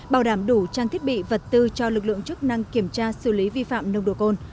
bảo đảm đủ trang thiết bị vật tư cho lực lượng chức năng kiểm tra xử lý vi phạm nồng độ cồn